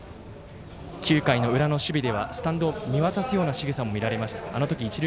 ９回の裏の守備ではスタンドを見渡すようなしぐさも見られました。